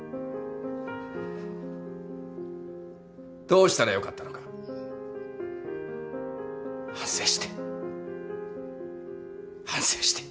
どうしたらよかったのか反省して反省して。